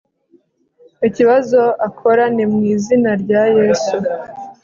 ikibazo akora ni mwizina rya yesu